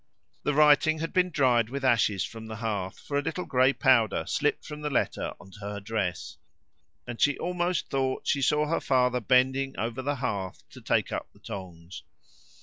The writing had been dried with ashes from the hearth, for a little grey powder slipped from the letter on to her dress, and she almost thought she saw her father bending over the hearth to take up the tongs.